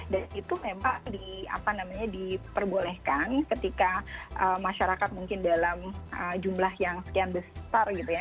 dan itu memang diperbolehkan ketika masyarakat mungkin dalam jumlah yang sekian besar gitu